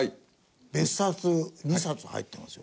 別冊２冊入ってますよ。